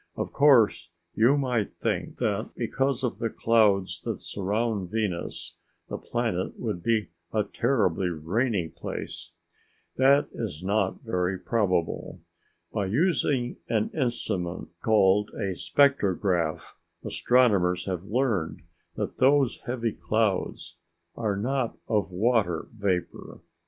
Of course you might think that because of the clouds that surround Venus, the planet would be a terribly rainy place. That is not very probable. By using an instrument called a spectrograph, astronomers have learned that those heavy clouds are not clouds of water vapor.